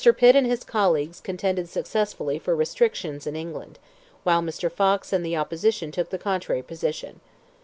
Pitt and his colleagues contended successfully for restrictions in England, while Mr. Fox and the opposition took the contrary position.